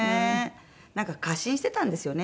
なんか過信してたんですよね。